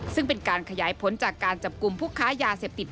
ซึ่งเป็นการขยายผลจากการจับกลุ่มผู้ค้ายาเสพติด